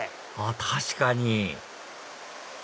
確かに！